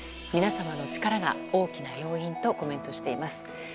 皆様の力が大きな要因とコメントしています。